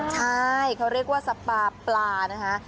ใช่เขาเรียกว่าสปาปลานะคะ